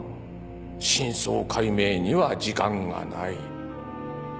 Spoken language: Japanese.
真相解明には時間がない。